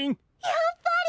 やっぱり。